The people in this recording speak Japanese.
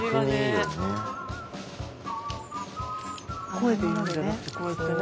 声で言うんじゃなくてこうやってね。